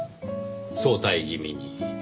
早退気味に。